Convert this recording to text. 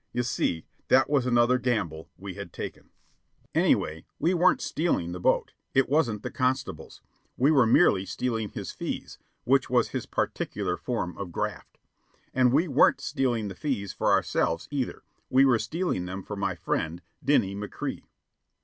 You see, that was another gamble we had taken. Anyway, we weren't stealing the boat. It wasn't the constable's. We were merely stealing his fees, which was his particular form of graft. And we weren't stealing the fees for ourselves, either; we were stealing them for my friend, Dinny McCrea.